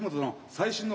最新の。